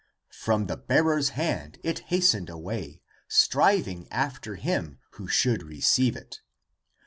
From their (the bearers') hand it hastened away, Striving after him, who should receive it.